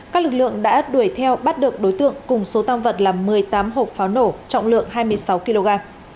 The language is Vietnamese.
các lực lượng đã đuổi theo bắt được đối tượng cùng số tam vật là một mươi tám hộp pháo nổ trọng lượng hai mươi sáu kg